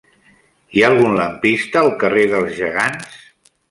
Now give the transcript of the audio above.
Hi ha algun lampista al carrer dels Gegants?